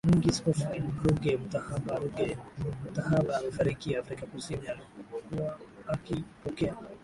Nyingi Scofied Ruge Mutahaba Ruge Mutahaba amefariki Afrika kusini alikokuwa akipokea